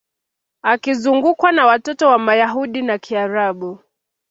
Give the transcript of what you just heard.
Akizungukwa na watoto wa Mayahudi na Kiarabu